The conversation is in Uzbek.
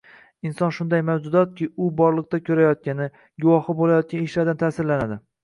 Inson shunday mavjudotki, u borliqda ko‘rayotgani, guvohi bo‘layotgan ishlardan ta’sirlanadi.